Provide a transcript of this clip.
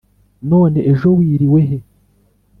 none ejo wiriwe he